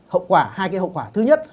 hậu quả hai cái hậu quả thứ nhất